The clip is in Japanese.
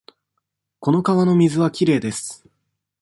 この川の水はきれいです。